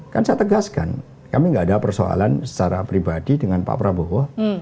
kan saya tegaskan kami tidak ada persoalan secara pribadi dengan pak prabowo